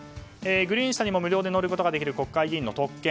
グリーン車にも無料で乗ることができる国会議員の特権。